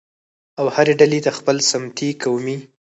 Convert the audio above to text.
او هرې ډلې د خپل سمتي، قومي